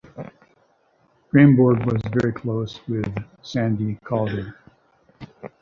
Kreymborg was very close with "Sandy" Calder.